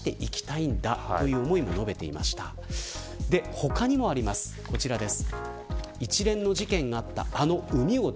他にもあります、こちらです。